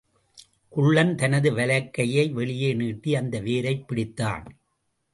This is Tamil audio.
குள்ளன் தனது வலக்கையை வெளியே நீட்டி அந்த வேரைப் பிடித்தான்.